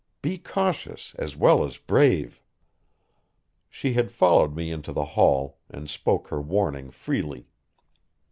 Be cautious as well as brave." She had followed me into the hall, and spoke her warning freely.